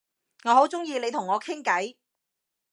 我好鍾意你同我傾偈